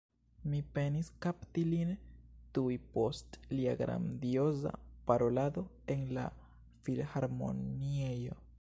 Mi penis kapti lin tuj post lia grandioza parolado en la Filharmoniejo.